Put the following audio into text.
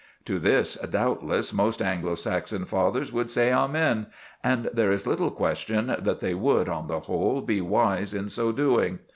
To this, doubtless, most Anglo Saxon fathers would say amen, and there is little question that they would, on the whole, be wise in so doing.